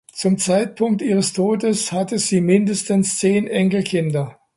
Zum Zeitpunkt ihres Todes hatte sie mindestens zehn Enkelkinder.